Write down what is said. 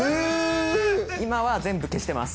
今は全部消してます。